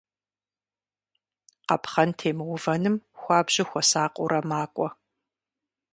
Къапхъэн темыувэным хуабжьу хуэсакъыурэ макӀуэ.